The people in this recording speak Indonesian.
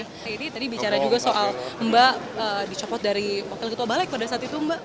jadi tadi bicara juga soal mbak dicopot dari pokok ketua balik pada saat itu mbak